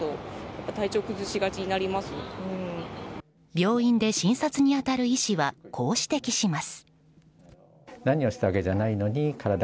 病院で診察に当たる医師はこう指摘します。